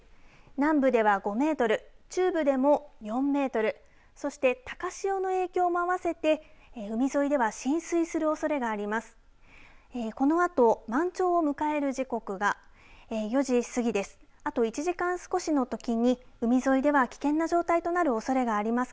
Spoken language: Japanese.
南部では５メートル中部でも４メートルそして高潮の影響も合わせて海沿いでは浸水するおそれがあります。